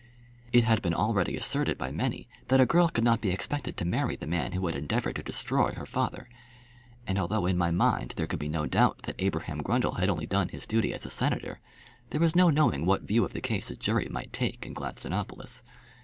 It had been already asserted by many that a girl could not be expected to marry the man who had endeavoured to destroy her father; and although in my mind there could be no doubt that Abraham Grundle had only done his duty as a senator, there was no knowing what view of the case a jury might take in Gladstonopolis.